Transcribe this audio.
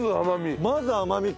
まず甘み。